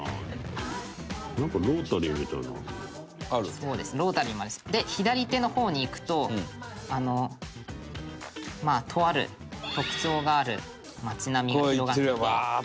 「そうですロータリーもで左手の方に行くとまあとある特徴がある街並みが広がって」